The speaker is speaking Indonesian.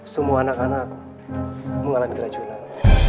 semua anak anak mengalami keracunan